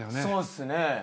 そうっすね。